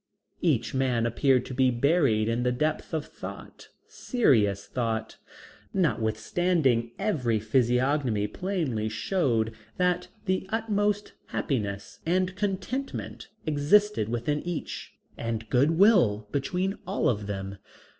Each man appeared to be buried in the depth of thought serious thought notwithstanding every physiognomy plainly showed that the utmost happiness and contentment existed within each, and good will between all of them.